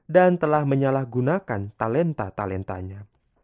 dan telah menyalahgunakan talenta talentanya